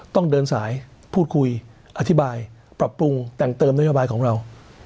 ต้องเดินสายพูดคุยอธิบายปรับปรุงแต่งเติมนโยบายของเรา